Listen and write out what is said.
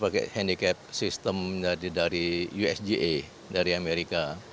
sedangkan untuk handicap kita pakai handicap sistem dari usga dari amerika